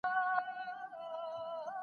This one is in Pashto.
ایا ته له ټولنپوهني سره مینه لري؟